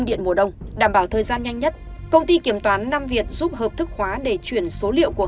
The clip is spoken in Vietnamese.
đảm bảo thời gian nhanh nhất công ty kiểm toán nam việt giúp hợp thức khóa để chuyển số liệu của